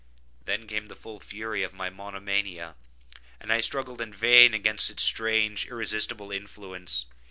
Then came the full fury of my monomania, and I struggled in vain against its strange and irresistible influence.